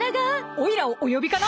オイラをお呼びかな？